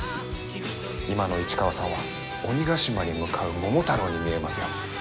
今の市川さんは鬼ヶ島に向かう桃太郎に見えますよ。